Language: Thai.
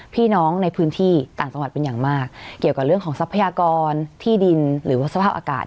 พี่น้องในพื้นที่ต่างจังหวัดเป็นอย่างมากเกี่ยวกับเรื่องของทรัพยากรที่ดินหรือว่าสภาพอากาศ